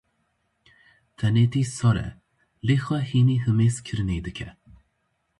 Tenêtî sar e, lê xwe hînî himêzkirinê dike.